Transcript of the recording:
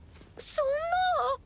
そんな！